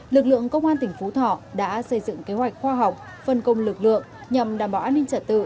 lực lượng công an tỉnh phú thọ đã xây dựng kế hoạch khoa học phân công lực lượng nhằm đảm bảo an ninh trật tự